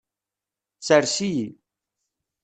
Sers-iyi.